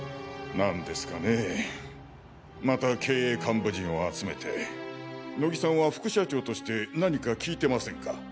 何ですかねぇまた経営幹部陣を集めて乃木さんは副社長として何か聞いてませんか？